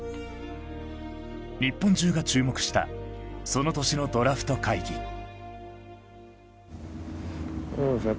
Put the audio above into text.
日本中が注目したその年のドラフト会議そうですね